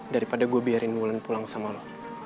daripada gua biarin ulan pulang sama lu